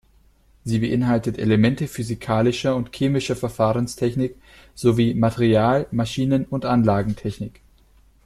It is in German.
Sie beinhaltet Elemente physikalischer und chemischer Verfahrenstechnik sowie Material-, Maschinen- und Anlagentechnik.